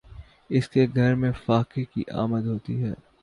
اس کے گھر میں فاقے کی آمد ہوتی ہے